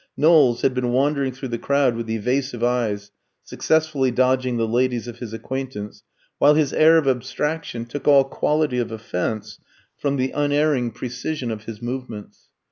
Knowles had been wandering through the crowd with evasive eyes, successfully dodging the ladies of his acquaintance, while his air of abstraction took all quality of offence from the unerring precision of his movements.